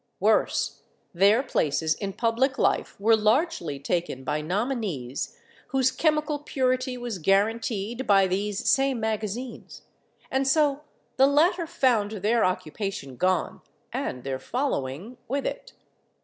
Worse, their places in public life were largely taken by nominees whose chemical purity was guaranteed by these same magazines, and so the latter found their occupation gone and their following with it.